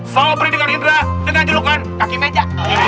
sobri dengan indra dengan julukan kaki meja